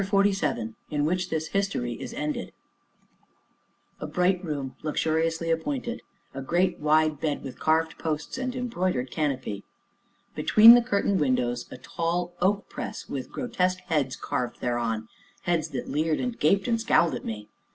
CHAPTER XLVII IN WHICH THIS HISTORY IS ENDED A bright room, luxuriously appointed; a great wide bed with carved posts and embroidered canopy; between the curtained windows, a tall oak press with grotesque heads carved thereon, heads that leered and gaped and scowled at me.